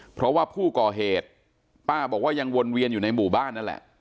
เพราะว่าผู้ก่อเหตุป้าบอกว่ายังวนเวียนอยู่ในหมู่บ้านนั่นแหละ